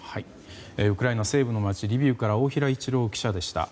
ウクライナ西部の街リビウから大平一郎記者でした。